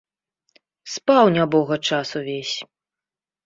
Спаў, нябога, час увесь.